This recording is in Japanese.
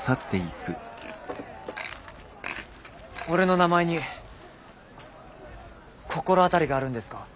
俺の名前に心当たりがあるんですか？